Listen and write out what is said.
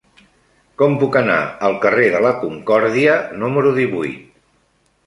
Com puc anar al carrer de la Concòrdia número divuit?